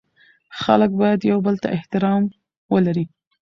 خلګ باید یوبل ته احترام ولري